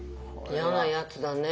嫌なやつだね。